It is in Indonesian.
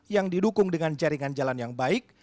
yang didukung dengan jaringan jalan yang baik